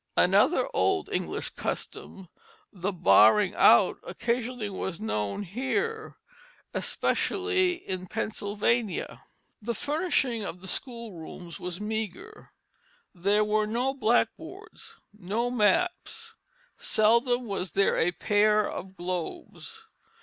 Another old English custom, the barring out, occasionally was known here, especially in Pennsylvania. The furnishing of the schoolrooms was meagre; there were no blackboards, no maps, seldom was there a pair of globes.